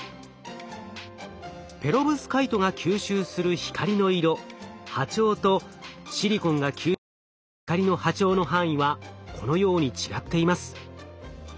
ペロブスカイトが吸収する光の色波長とシリコンが吸収する光の波長の範囲はこのように違っています。